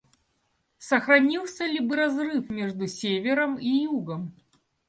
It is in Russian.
Сохранился ли бы разрыв между Севером и Югом?